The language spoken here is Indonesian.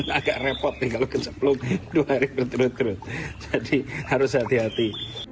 agak repot nih kalau kecepluk dua hari berturut turut jadi harus hati hati